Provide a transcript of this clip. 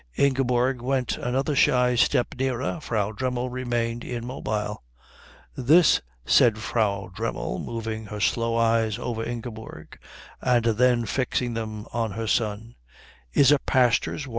Ingeborg went another shy step nearer. Frau Dremmel remained immobile. "This," said Frau Dremmel, moving her slow eyes over Ingeborg and then fixing them on her son, "is a pastor's wife?"